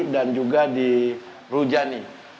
dan juga di rujani